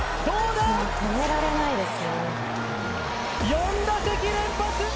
４打席連発。